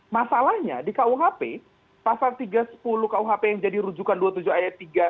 masalahnya di kuhp pasal tiga ratus sepuluh kuhp yang jadi rujukan dua puluh tujuh ayat tiga